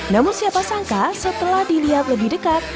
namun siapa sangka setelah dilihat lebih dekat